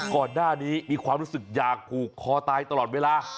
ก่อนหน้านี้มีความรู้สึกอยากผูกคอตายตลอดเวลา